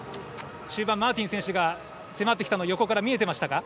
中盤、マーティン選手が迫ってきたの横から見えていましたか。